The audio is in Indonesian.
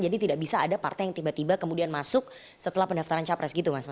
jadi tidak bisa ada partai yang tiba tiba kemudian masuk setelah pendaftaran capres gitu mas